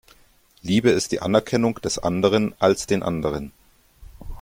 Liebe ist die Anerkennung des Anderen als den Anderen.